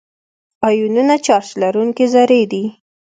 آیونونه چارج لرونکي ذرې دي.